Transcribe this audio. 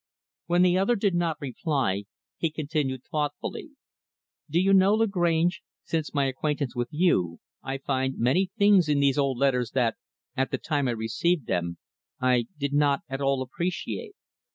When the other did not reply, he continued thoughtfully, "Do you know, Lagrange, since my acquaintance with you, I find many things in these old letters that at the time I received them I did not, at all, appreciate.